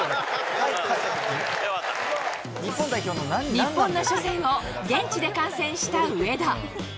日本の初戦を現地で観戦した上田。